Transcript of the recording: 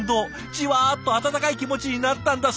じわっと温かい気持ちになったんだそう。